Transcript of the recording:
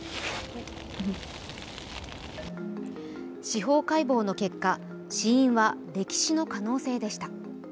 司法解剖の結果、死因は溺死の可能性でした。